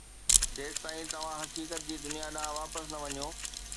جيستائين توهان حقيقت جي دنيا ڏانهن واپس نه وڃو.